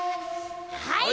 はい！